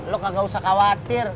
lo kagak usah khawatir